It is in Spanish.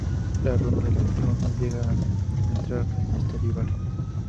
La Ronda de Pamplona llega a entrar en Esteríbar.